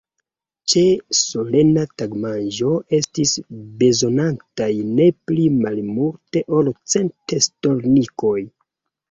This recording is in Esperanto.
Ĉe solena tagmanĝo estis bezonataj ne pli malmulte ol cent stolnikoj.